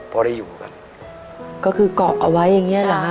พอได้อยู่กันก็คือเกาะเอาไว้อย่างเงี้เหรอฮะ